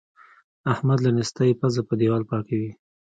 احمد له نېستۍ پزه په دېوال پاکوي.